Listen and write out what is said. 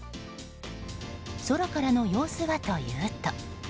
空からの様子はというと。